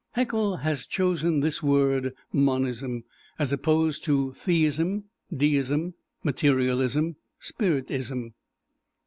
Haeckel has chosen this word Monism, as opposed to theism, deism, materialism, spiritism.